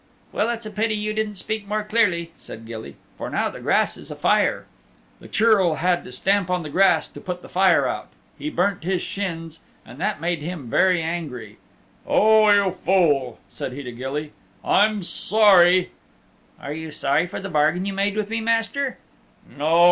"Well, it's a pity you didn't speak more clearly," said Gilly, "for now the grass is a fire." The Churl bad to stamp on the grass to put the fire out. He burnt his shins, and that made him very angry. "O you fool," said he to Gilly, "I'm sorry " "Are you sorry for the bargain you made with me, Master?" "No.